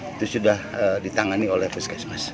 itu sudah ditangani oleh puskesmas